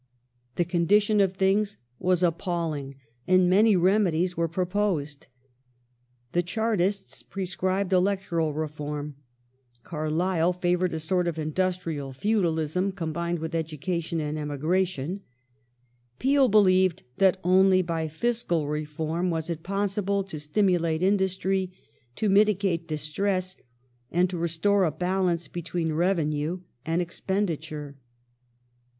^ The condition of things was appalling, and many remedies were proposed. The Chartists prescribed electoral reform ; Carlyle favoured a sort of industrial feudalism, combined with education and emigration ; Peel believed that only by fiscal reform was it possible to stimulate industry, to mitigate distress, and to restore a balance between revenue and expendi ture.